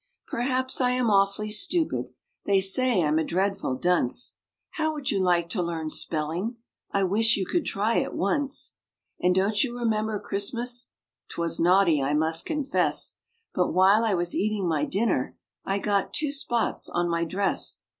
Perhaps I am awfully stupid; They say I'm a dreadful dunce. How would you like to learn spelling? I wish you could try it once. And don't you remember Christmas 'Twas naughty, I must confess But while I was eating my dinner I got two spots on my dress.